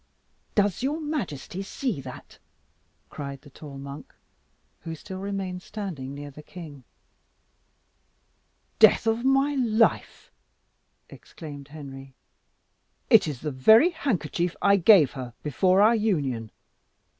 "Does your majesty see that?" cried the tall monk, who still remained standing near the king. "Death of my life!" exclaimed Henry, "it is the very handkerchief I gave her before our union!